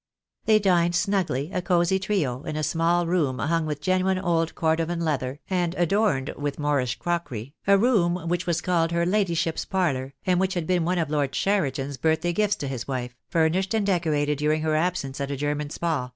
They dined snugly, a cosy trio, in a small room hung with genuine old Cordovan leather, and adorned with Moorish crockery, a room which was called her Lady ship's parlour, and which had been one of Lord Cheriton's birthday gifts to his wife, furnished and decorated during her absence at a German spa.